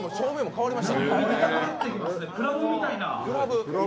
クラブみたいな。